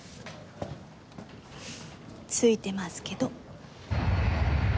ツイてますけど。